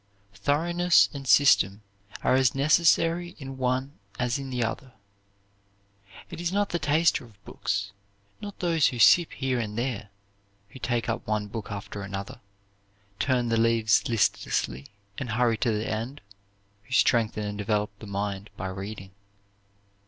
Thoroughness and system are as necessary in one as in the other. It is not the tasters of books not those who sip here and there, who take up one book after another, turn the leaves listlessly and hurry to the end, who strengthen and develop the mind by reading.